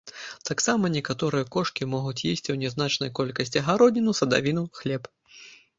Таксама некаторыя кошкі могуць есці ў нязначнай колькасці гародніну, садавіну, хлеб.